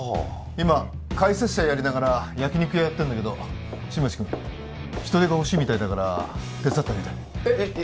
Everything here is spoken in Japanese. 今解説者やりながら焼き肉屋やってんだけど新町くん人手が欲しいみたいだから手伝ってあげてえっえっえっ